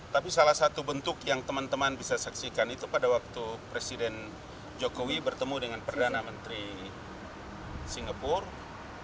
tapi salah satu bentuk yang teman teman bisa saksikan itu pada waktu presiden jokowi bertemu dengan perdana menteri singapura